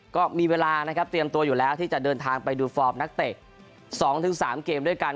ก็มีเวลานะครับเตรียมตัวอยู่แล้วที่จะเดินทางไปดูฟอร์มนักเตะ๒๓เกมด้วยกัน